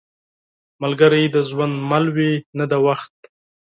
ملګری د ژوند مل وي، نه د وخت.